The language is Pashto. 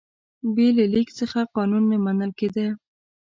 بې له لیک څخه قانون نه منل کېده.